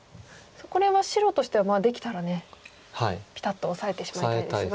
これは白としてはできたらねピタッとオサえてしまいたいですが。